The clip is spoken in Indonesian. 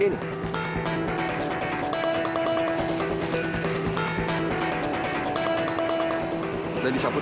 tasya sama fajar entrepreneur